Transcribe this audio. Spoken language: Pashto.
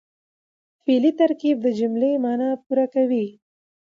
فعلي ترکیب د جملې مانا پوره کوي.